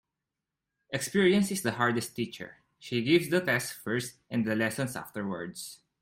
Experience is the hardest teacher. She gives the test first and the lesson afterwards.